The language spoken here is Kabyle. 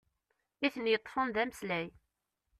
I ten-yeṭṭfen d ameslay!